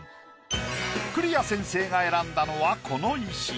栗屋先生が選んだのはこの石。